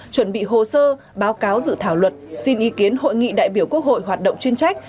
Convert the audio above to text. chuẩn bị hồ sơ báo cáo dự thảo luật xin ý kiến hội nghị đại biểu quốc hội hoạt động chuyên trách